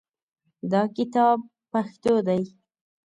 دا کتاب پښتو دی